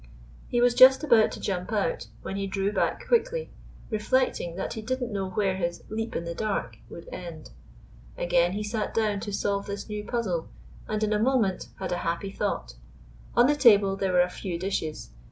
He was just about to jump out, when he drew back quickly, reflecting that he did n't know where his "leap in the dark" would end! Again he sat down to solve this new puzzle, and jo— Gypsy. jri GYPSY, THE TALKING DOG in a moment had a happy thought. On the table there were a few dishes.